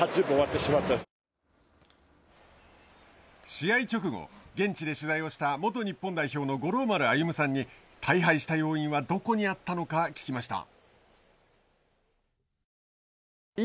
試合直後現地で取材をした元日本代表の五郎丸歩さんに大敗した要因はどこにあったのか聞きました。